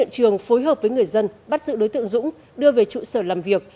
các sự đối tượng dũng đưa về trụ sở làm việc